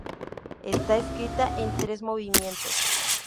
Está escrita en tres movimientos.